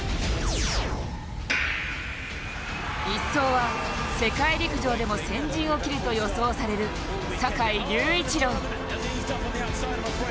１走は、世界陸上でも先陣を切ると予想される坂井隆一郎。